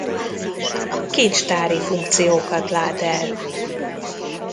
Kincstári funkciókat lát el.